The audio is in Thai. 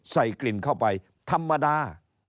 ใส่กลิ่นเข้าไปธรรมดา